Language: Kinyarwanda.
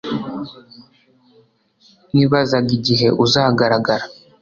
Nibazaga igihe uzagaragara